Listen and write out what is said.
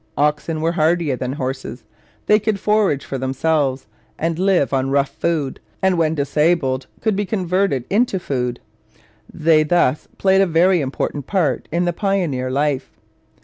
Oxen were hardier than horses; they could forage for themselves and live on rough food, and when disabled could be converted into food. They thus played a very important part in the pioneer life.